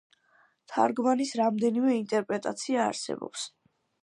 თარგმანის რამდენიმე ინტერპრეტაცია არსებობს.